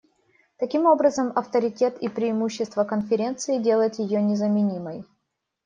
Таким образом, авторитет и преимущества Конференции делают ее незаменимой.